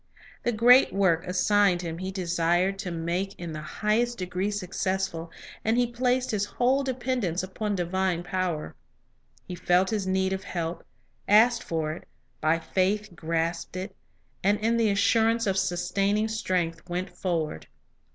The great work assigned him he desired to make in 1 Heb. 11 : 27. 6 4 Illustrations Results oi His Training the highest degree successful, and he placed his whole dependence upon divine power. He felt his need of help, asked for it, by faith grasped it, and in the assur ance of sustaining strength went forward.